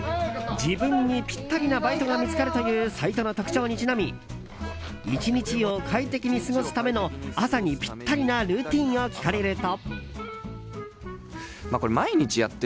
自分にぴったりなバイトが見つかるというサイトの特徴にちなみ１日を快適に過ごすための朝にぴったりなルーティンを聞かれると。